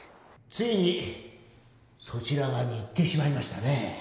ついにそちら側に行ってしまいましたね。